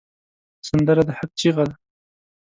سندره د حق چیغه ده